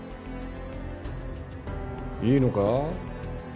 いいのか？